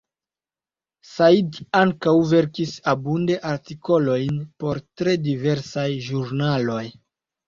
Said ankaŭ verkis abunde artikolojn por tre diversaj ĵurnaloj.